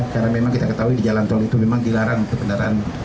karena memang kita ketahui di jalan tol itu memang dilarang untuk kendaraan